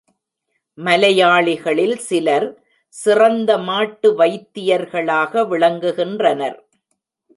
மலையாளிகளில் சிலர் சிறந்த மாட்டு வைத்தியர்களாக விளங்குகின்றனர்.